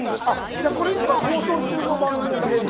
じゃあこれ今放送中の番組が見れるってことですか？